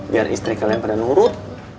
biar istri kalian pada nurut